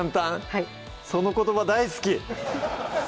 はいその言葉大好き！